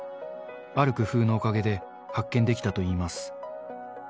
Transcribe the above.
ある工夫のおかげで発見できたといいます。